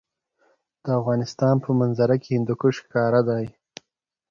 د افغانستان په منظره کې هندوکش ښکاره ده.